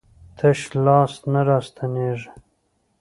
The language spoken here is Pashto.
تش لاس نه راستنېږي.